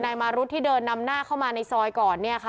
นายมารุษที่เดินนำหน้าเข้ามาในซอยก่อน